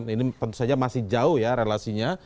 ini tentu saja masih jauh ya relasinya